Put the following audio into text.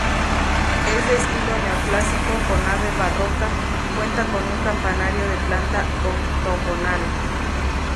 Es de estilo neoclásico con nave barroca; cuenta con un campanario de planta octogonal.